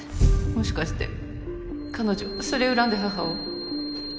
もしかして彼女それ恨んで母を？